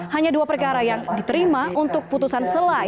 hanya dua perkara yang diterima untuk putusan selai